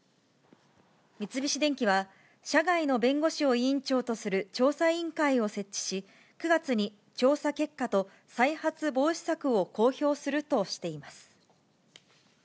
三菱電機は、社外の弁護士を委員長とする調査委員会を設置し、９月に調査結果と再発防止策を公表するとしています。